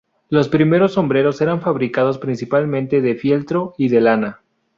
Los primeros sombreros eran fabricados principalmente de fieltro y de lana.